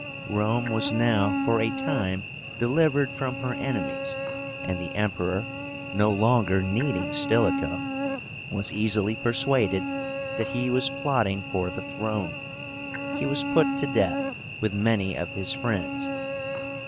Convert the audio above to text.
Rome was now for a time delivered from her enemies, and the Emperor, no longer needing Stilicho, was easily persuaded that he was plotting for the throne. He was put to death, with many of his friends.